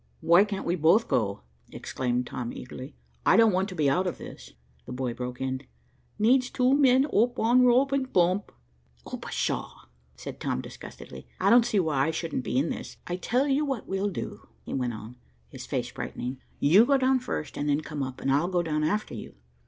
"Why can't we both go?" exclaimed Tom eagerly. "I don't want to be out of this." The boy broke in. "Needs two men oop on rope and poomp." "Oh pshaw!" said Tom disgustedly, "I don't see why I shouldn't be in this. I tell you what we'll do," he went on, his face brightening, "you go down first, and then come up, and I'll go down after you."